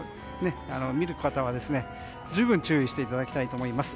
見る方は、十分に注意していただきたいと思います。